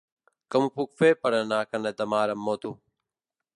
Com ho puc fer per anar a Canet de Mar amb moto?